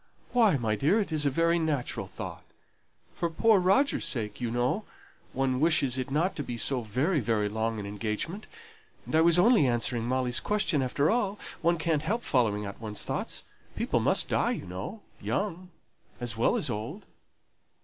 "Why, my dear, it is a very natural thought. For poor Roger's sake, you know, one wishes it not to be so very, very long an engagement; and I was only answering Molly's question, after all. One can't help following out one's thoughts. People must die, you know young, as well as old."